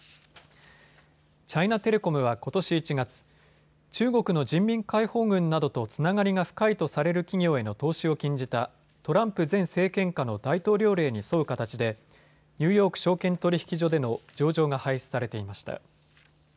チャイナテレコムはことし１月、中国の人民解放軍などとつながりが深いとされる企業への投資を禁じたトランプ前政権下の大統領令に沿う形でニューヨーク証券取引所での上場が廃止されていました。